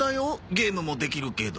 ゲームもできるけど。